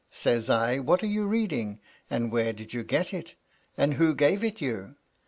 Says I, ' What are you reading, and where did you get it, and who gave it you ?'